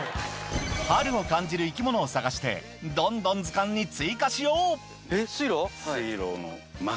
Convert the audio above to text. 春を感じる生き物を探してどんどん図鑑に追加しよう